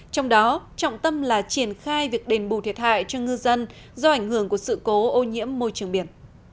trong đó trọng tâm là triển khai việc đền bù thiệt hại cho ngư dân do ảnh hưởng của sự cố ô nhiễm môi trường biển